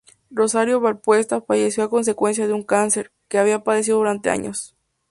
Rosario Valpuesta falleció a consecuencia de un cáncer, que había padecido durante años.